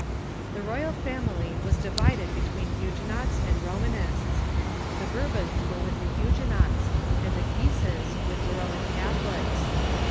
The royal family was divided between Huguenots and Romanists. The Bourbons were Avith the Huguenots, and the Guises Avith the Roman Catholics.